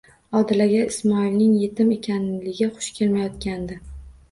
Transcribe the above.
Odilaga Ismoilning yetim ekanligi xush kelmayotgandi.